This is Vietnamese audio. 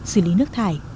xử lý nước thải